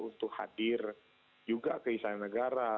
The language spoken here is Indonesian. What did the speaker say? untuk hadir juga ke istana negara